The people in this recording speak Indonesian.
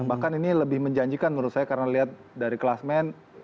bahkan ini lebih menjanjikan menurut saya karena lihat dari kelas main